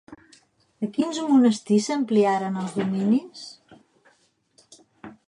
A quins monestirs s'ampliaren els dominis?